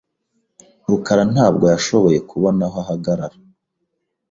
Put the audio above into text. rukara ntabwo yashoboye kubona aho ahagarara .